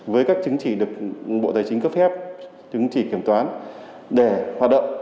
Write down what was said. với các chứng chỉ được bộ tài chính cấp phép chứng chỉ kiểm toán để hoạt động